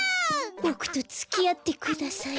ボクとつきあってください。